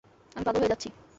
আমি পাগল হয়ে যাচ্ছি!